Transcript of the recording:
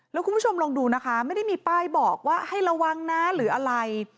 แล้วคุณผู้ชมลองดูนะคะไม่ได้มีป้ายบอกว่าให้ระวังนะหรืออะไร